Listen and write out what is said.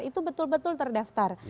itu betul betul terdaftar